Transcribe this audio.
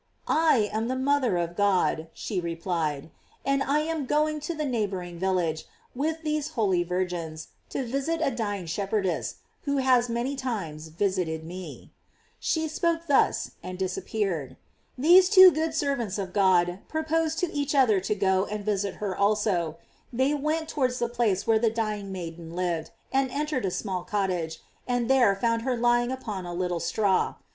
"I am the mother of God," she replied, "and I am going to the neighboring village, with these holy virgins, to visit a dying shepherdess, who has many times visited me." She spoke thus ^Uappeared. These two good servants of 66 GLORIES OF MABT. God proposed to each other to go and visit hei also. They went towards the place where the dying maiden lived, entered a small cottage, and there found her lying upon a little straw.